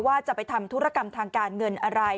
ว่าจะไปทำธุรกรรมทางการเงินอะไร